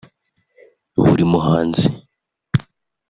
Buri muhanzi